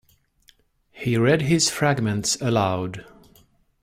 He read his fragments aloud.